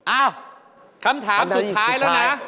อ้าวคำถามสุดท้ายแล้วนะคำถามสุดท้าย